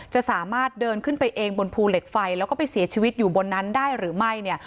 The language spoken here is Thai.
จะสามารถเดินขึ้นไปเองบนภูเหล็กไฟแล้วก็ไปเสียชีวิตอยู่บนนั้นได้หรือไม่เนี่ย